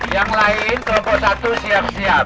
yang lain kelompok satu siap siap